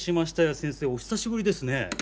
先生お久しぶりですね。